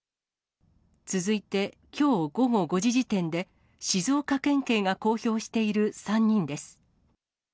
続いて、きょう午後５時時点で、静岡県警が公表している３人です。